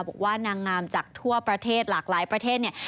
บอกว่านางงามจากทั่วประเทศหลากหลายประเทศเนี่ย